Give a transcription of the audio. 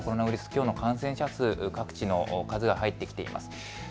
きょうの感染者数、各地の数が入ってきています。